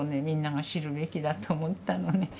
みんなが知るべきだと思ったの。